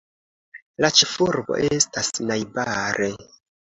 La ĉefurbo estas najbare.